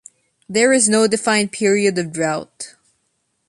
There is no defined period of drought.